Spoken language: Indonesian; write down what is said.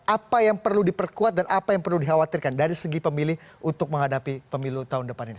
apa yang perlu diperkuat dan apa yang perlu dikhawatirkan dari segi pemilih untuk menghadapi pemilu tahun depan ini